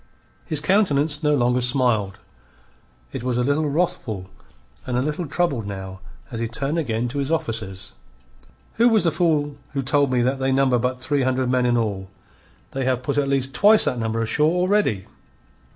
His countenance no longer smiled; it was a little wrathful and a little troubled now as he turned again to his officers. "Who was the fool who told me that they number but three hundred men in all? They have put at least twice that number ashore already."